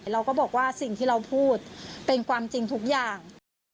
เราก็บอกว่าสิ่งที่เราพูดเป็นความจริงทุกอย่าง